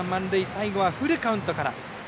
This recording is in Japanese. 最後はフルカウントから。